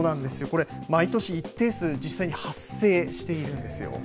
これ、毎年一定数、実際に発生しているんですよ。